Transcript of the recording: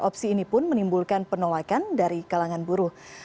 opsi ini pun menimbulkan penolakan dari kalangan buruh